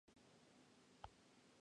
Adaptado desde Allmusic.